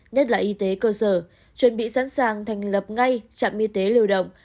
nhất là y tế cơ sở chuẩn bị sẵn sàng thành lập ngay trạm y tế lưu động